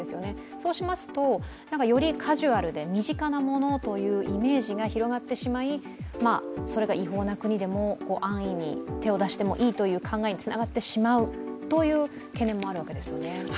そうしますと、よりカジュアルで身近なものというイメージが広がってしまい、それが違法な国でも安易に手を出してもいいという考えにつながってしまうという懸念もあるわけですよね。